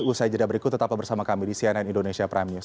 usai jeda berikut tetap bersama kami di cnn indonesia prime news